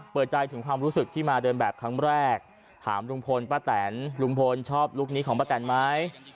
เปิดใจถึงความรู้สึกที่มาเดินแบบครั้งแรกถามลุงพลป้าแตนลุงพลชอบลุคนี้ของป้าแตนไหม